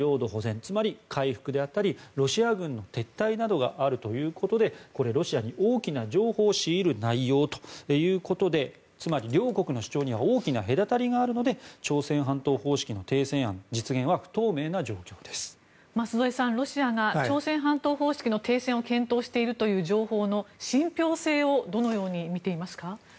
つまり、回復であったりロシア軍の撤退などがあるということでロシアに大きな譲歩を強いる内容ということでつまり、両国の主張には大きな隔たりがあるので朝鮮半島方式の停戦案舛添さん、ロシアが朝鮮半島方式の停戦を検討しているという情報の信憑性をどのように見ていますか？